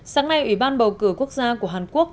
sáng nay ủy ban bầu cử quốc gia của hàn quốc